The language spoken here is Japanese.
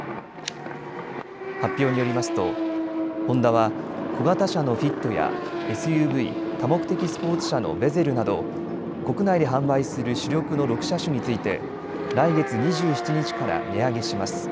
発表によりますとホンダは小型車のフィットやＳＵＶ・多目的スポーツ車のヴェゼルなど国内で販売する主力の６車種について来月２７日から値上げします。